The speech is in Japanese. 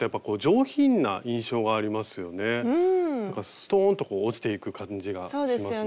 ストンとこう落ちていく感じがしますもんね。